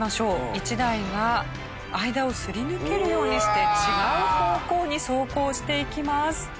１台が間をすり抜けるようにして違う方向に走行していきます。